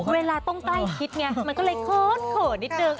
เวลาต้องใกล้ชิดไงมันก็เลยเขินเขินนิดนึง